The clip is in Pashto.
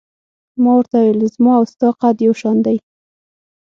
ما ورته وویل: زما او ستا قد یو شان دی.